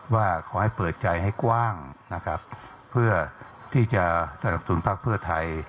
ว่าขอให้เปิดใจให้กว้างนะครับเพื่อที่จะสนับสนุนภาคเพื่อไทย